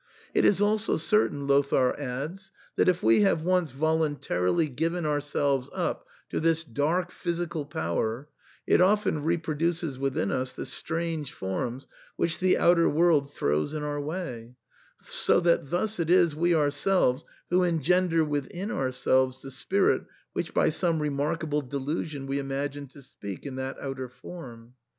It is also certain, Lothair adds, that if we have once voluntarily given ourselves up to this dark physical power, it often reproduces within us the strange forms which the outer world throws in our way, so that thus it is we ourselves who engender within ourselves the spirit which by some remarkable delusion we im agine to speak in that outer form.